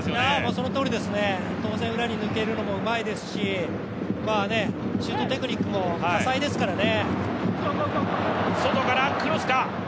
そのとおりですね、当然、裏に抜けるのもうまいですしシュートテクニックも多彩ですからね。